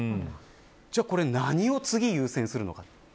じゃあこれ何を次に優先するのか。